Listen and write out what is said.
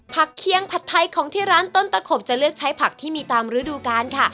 เคียงผัดไทยของที่ร้านต้นตะขบจะเลือกใช้ผักที่มีตามฤดูกาลค่ะ